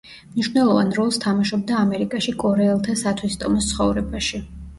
მნიშვნელოვან როლს თამაშობდა ამერიკაში კორეელთა სათვისტომოს ცხოვრებაში.